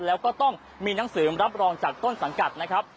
แล้วก็ต้องมีหนังสือรับรองจากต้นสังกัดนะครับ